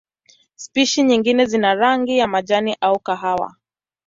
Spishi nyingine zina rangi ya majani au kahawa.